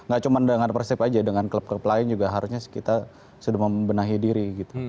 gak cuma dengan persib aja dengan klub klub lain juga harusnya kita sudah membenahi diri gitu